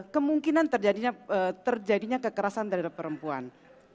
kemungkinan terjadinya kekerasan terhadap perempuan